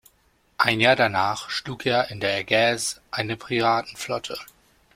Ein Jahr danach schlug er in der Ägäis eine Piratenflotte.